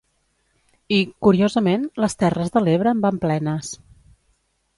I, curiosament, les Terres de l'Ebre en van plenes.